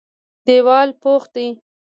دېوال پخ دی.